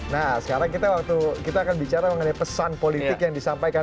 nah sekarang kita waktu kita akan bicara mengenai pesan politik yang disampaikan